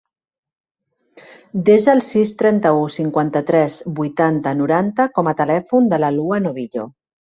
Desa el sis, trenta-u, cinquanta-tres, vuitanta, noranta com a telèfon de la Lua Novillo.